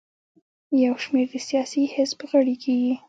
یو شمېر د سیاسي حزب غړي کیږي.